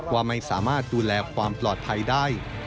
ว่าไม่สามารถดูแลความปลอดภัยได้